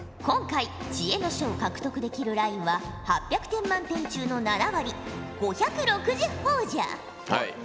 今回知恵の書を獲得できるラインは８００点満点中の７割５６０ほぉじゃ。